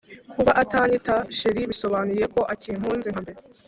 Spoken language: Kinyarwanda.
Kuba atanyita Cherie bisobanuye ko akinkunze nka mbere